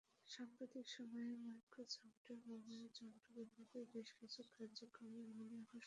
সাম্প্রতিক সময়ে মাইক্রোসফটের মোবাইল যন্ত্র বিভাগের বেশ কিছু কার্যক্রমে এমনই আভাস পাওয়া যাচ্ছিল।